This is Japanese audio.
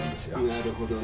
なるほどね。